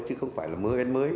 chứ không phải là mới đến mới